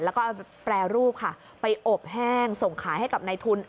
แล้วก็เอาแปรรูปค่ะไปอบแห้งส่งขายให้กับในทุน